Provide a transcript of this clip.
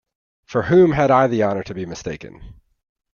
For whom had I the honour to be mistaken?